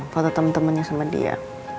foto temen temennya sama dia